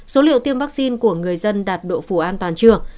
số liệu tiêm vaccine của người dân đạt độ phủ an toàn chưa